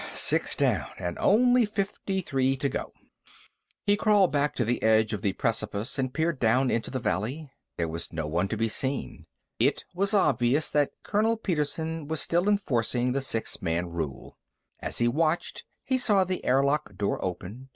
Six down and only fifty three to go. He crawled back to the edge of the precipice and peered down into the valley. There was no one to be seen. It was obvious that Colonel Petersen was still enforcing the six man rule. As he watched, he saw the airlock door open.